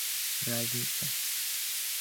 разница